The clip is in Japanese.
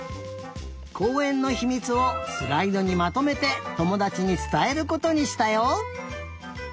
こうえんのひみつをスライドにまとめてともだちにつたえることにしたよ。